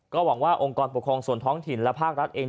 ก็หวังว่าองค์กรปกครองส่วนท้องถิ่นและภาครัฐเอง